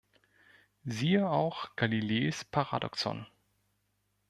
Siehe auch Galileis Paradoxon.